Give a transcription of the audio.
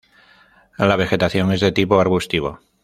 La vegetación es de tipo arbustivo.